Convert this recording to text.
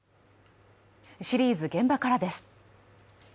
シリーズ「現場から」です。